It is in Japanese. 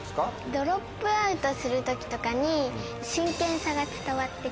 ドロップアウトする時とかに真剣さが伝わって来る。